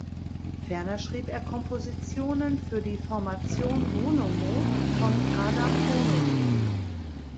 Ferner schrieb er Kompositionen für die Formation Bonomo von Adam Bonomo.